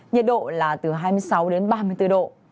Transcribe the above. nhiệt độ là từ hai mươi sáu đến ba mươi bốn độ